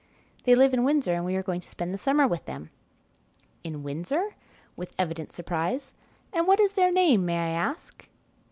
They live in Windsor, and we are going to spend the summer with them." "In Windsor?" with evident surprise; "and what is their name, may I ask?"